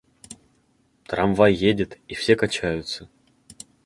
Трамвай едет и все качаются.